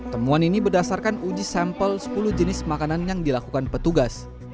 temuan ini berdasarkan uji sampel sepuluh jenis makanan yang dilakukan petugas